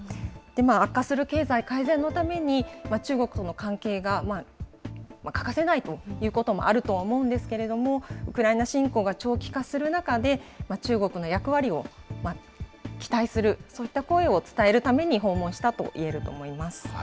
悪化する経済改善のために、中国との関係が欠かせないということもあるとは思うんですけれども、ウクライナ侵攻が長期化する中で、中国の役割を期待する、そういった声を伝えるために訪問したと言えると思います。